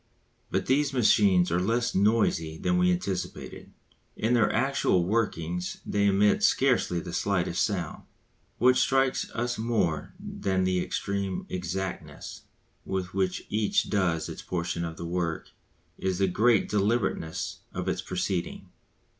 But these machines are less noisy than we anticipated; in their actual working they emit scarcely the slightest sound. What strikes us more than the supreme exactness with which each does its portion of the work, is the great deliberateness of its proceeding.